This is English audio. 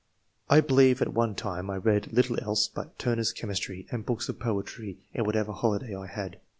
.... I believe at one time I read little else but * Turner's Chemistry' and books of poetry in whatever holiday 1 had.